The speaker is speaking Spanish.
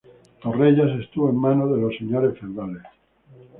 Torrellas estuvo en manos de señores feudales.